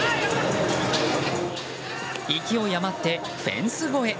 勢い余って、フェンス越え！